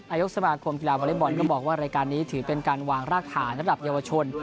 นายกสมาคมกีฬาวอเล็กบอลก็บอกว่ารายการนี้ถือเป็นการวางรากฐานสำหรับเยาวชน